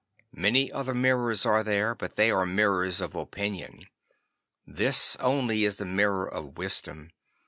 Many other mirrors are there, but they are mirrors of Opinion. This only is the Mirror of Wisdom.